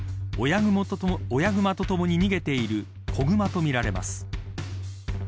親熊とともに逃げている小熊とみられます。